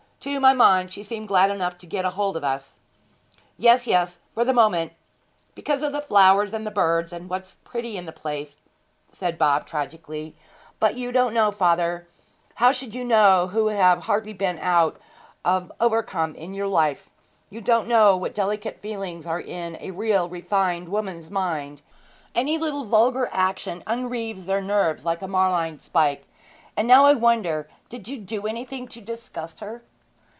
To my mind she seemed glad enough to get hold of us!' 'Yes, yes for the moment because of the flowers, and birds, and what's pretty in the place,' said Bob tragically. 'But you don't know, father how should you know, who have hardly been out of Overcombe in your life? you don't know what delicate feelings are in a real refined woman's mind. Any little vulgar action unreaves their nerves like a marline spike. Now I wonder if you did anything to disgust her?'